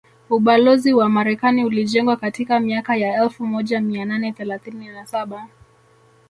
Ubalozi wa Marekani ulijengwa katika miaka ya elfu moja mia nane thelathini na saba